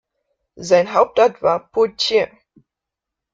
Sein Hauptort war Poitiers.